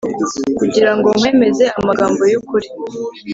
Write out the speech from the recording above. kugira ngo nkwemeze amagambo y’ukuri